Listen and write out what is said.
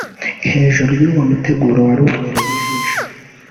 Hejuru y’uwo muteguro wari ubereye ijisho